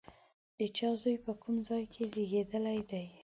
د چا زوی، په کوم ځای کې زېږېدلی دی؟